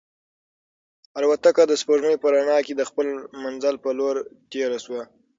الوتکه د سپوږمۍ په رڼا کې د خپل منزل په لور تېره شوه.